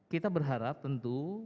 kita berharap tentu